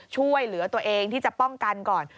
ช่วยเหลือตัวเองที่จะป้องกันก่อน